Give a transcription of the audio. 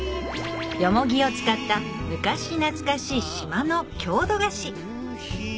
ヨモギを使った昔懐かしい島の郷土菓子